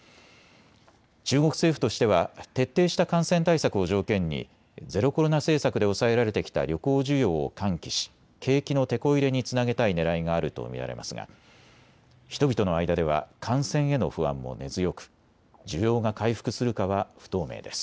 中国政府としては徹底した感染対策を条件にゼロコロナ政策で抑えられてきた旅行需要を喚起し景気のてこ入れにつなげたいねらいがあると見られますが人々の間では感染への不安も根強く需要が回復するかは不透明です。